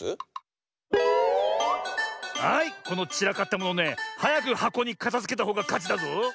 はいこのちらかったものねはやくはこにかたづけたほうがかちだぞ。